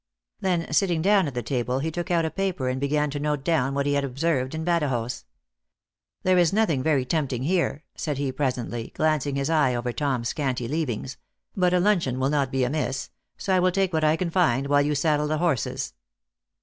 Then sitting down at the table, lie took out a paper and began to note down what he had observed in Badajoz. " There is nothing very tempting here," said he presently, glancing his eye over Tom s scanty leavings, " but a luncheon will not be amiss ; so I will take what I can find, while you saddle the horses."